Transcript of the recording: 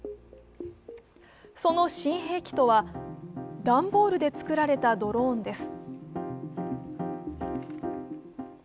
その新兵器とは、段ボールで作られたドローンです。